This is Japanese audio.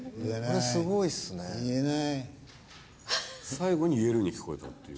最後に「言える」に聞こえたっていう。